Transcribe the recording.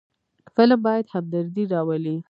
فلم باید همدردي راولي